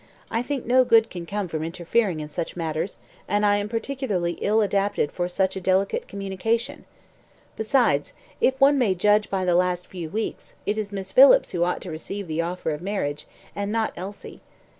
"I think no good can come from interfering in such matters, and I am particularly ill adapted for such a delicate communication. Besides, if one may judge by the last few weeks, it is Miss Phillips who ought to receive the offer of marriage, and not Elsie.